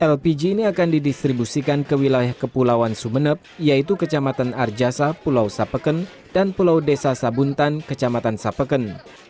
lpg ini akan didistribusikan ke wilayah kepulauan sumeneb yaitu kecamatan arjasa pulau sapeken dan pulau desa sabuntan kecamatan sapeken